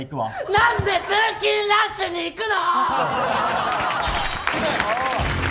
何で通勤ラッシュで行くの！？